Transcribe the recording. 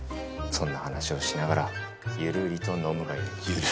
そんな話をしながらゆるりと飲むがよい。